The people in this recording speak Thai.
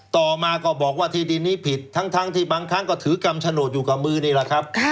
ต่อมาก็บอกว่าที่ดินนี้ผิดทั้งที่บางครั้งก็ถือกรรมโฉนดอยู่กับมือนี่แหละครับ